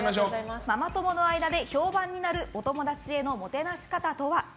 ママ友の間で評判になるお友達へのもてなし方とは？